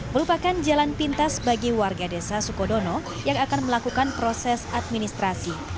merupakan jalan pintas bagi warga desa sukodono yang akan melakukan proses administrasi